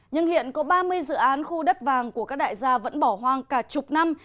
nhưng hiện có ba mươi dự án khu đất vàng của các đại gia vẫn bỏ hoang cả chục năm